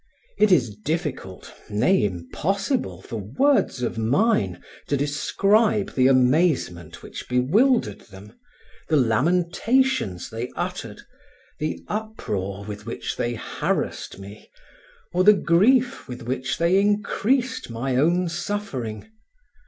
It is difficult, nay, impossible, for words of mine to describe the amazement which bewildered them, the lamentations they uttered, the uproar with which they harassed me, or the grief with which they increased my own suffering.